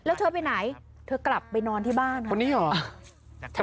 แล้วเธอไปไหนเธอกลับไปนอนที่บ้านค่ะคนนี้เหรอ